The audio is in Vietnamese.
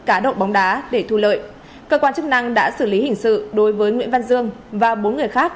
cá độ bóng đá để thu lợi cơ quan chức năng đã xử lý hình sự đối với nguyễn văn dương và bốn người khác